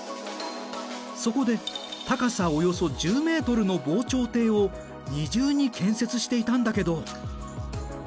そこで高さおよそ１０ｍの防潮堤を二重に建設していたんだけど。